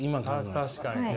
確かにな。